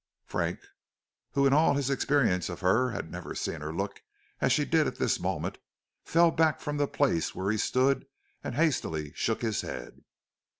Frank, who in all his experience of her had never seen her look as she did at this moment, fell back from the place where he stood and hastily shook his head.